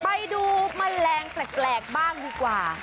ไปดูแมลงแปลกบ้างดีกว่า